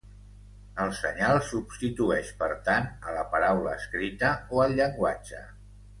El senyal substitueix per tant a la paraula escrita o al llenguatge.